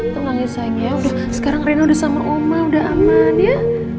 tenang ya sayangnya udah sekarang rino udah sama oma udah aman ya